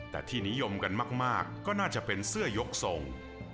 แต่ที่นิยมกันมากก็น่าจะเป็นเสื้อยกทรง